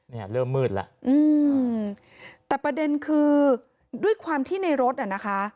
เนี่ยเริ่มมืดแล้วอืมแต่ประเด็นคือด้วยความที่ในรถอ่ะนะคะ